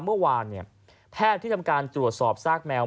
เมื่อวานแพทย์ที่ทำการตรวจสอบซากแมว